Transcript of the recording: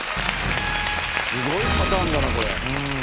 すごいパターンだなこれ。